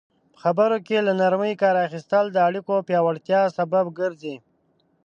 په خبرو کې له نرمي کار اخیستل د اړیکو پیاوړتیا سبب ګرځي.